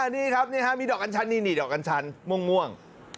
นี่ครับมีดอกอัญชันนี่ดอกอัญชันม่วง